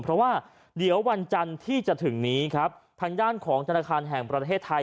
เพราะว่าเดี๋ยววันจันทร์ที่จะถึงนี้ครับทางด้านของธนาคารแห่งประเทศไทย